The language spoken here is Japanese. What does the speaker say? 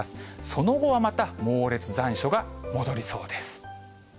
その後はまた猛烈残暑が戻りそうです。